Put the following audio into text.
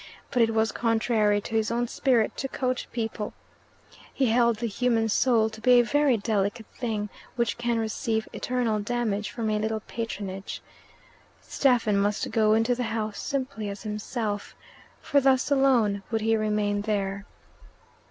But it was contrary to his own spirit to coach people: he held the human soul to be a very delicate thing, which can receive eternal damage from a little patronage. Stephen must go into the house simply as himself, for thus alone would he remain there.